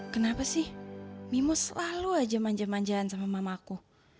kenapa sih mimu selalu aja manja manjaan sama mamaku